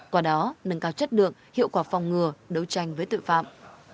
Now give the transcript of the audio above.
qua đó nâng cao chất lượng hiệu quả phòng ngừa đấu tranh với tội phạm